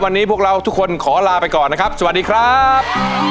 วันนี้พวกเราทุกคนขอลาไปก่อนนะครับสวัสดีครับ